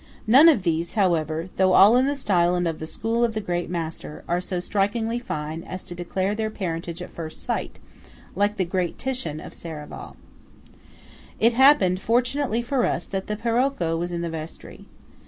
None of these, however, though all in the style and of the school of the great master, are so strikingly fine as to declare their parentage at first sight, like the great Titian of Serravalle. It happened, fortunately for us, that the Paroco was in the vestry.